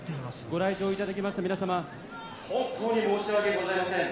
ご来場いただきました皆さま本当に申し訳ございません。